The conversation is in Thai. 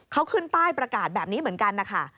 เขาขึ้นป้ายประกาศแบบนี้เหมือนกันนะคะ